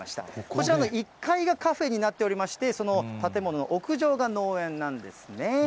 こちらは１階がカフェになっておりまして、その建物の屋上が農園なんですね。